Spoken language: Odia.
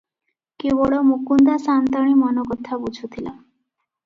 କେବଳ ମୁକୁନ୍ଦା ସାଆନ୍ତାଣୀ ମନ କଥା ବୁଝୁଥିଲା ।